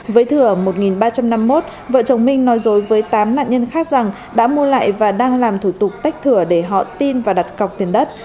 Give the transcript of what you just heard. với thừa một ba trăm năm mươi một vợ chồng minh nói dối với tám nạn nhân khác rằng đã mua lại và đang làm thủ tục tách thửa để họ tin và đặt cọc tiền đất